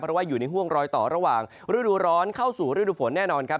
เพราะว่าอยู่ในห่วงรอยต่อระหว่างฤดูร้อนเข้าสู่ฤดูฝนแน่นอนครับ